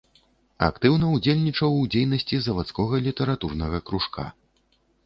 Актыўна ўдзельнічаў у дзейнасці завадскога літаратурнага кружка.